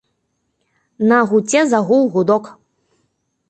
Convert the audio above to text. На гуце загуў гудок.